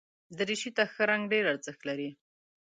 دریشي ته ښه رنګ ډېر ارزښت لري.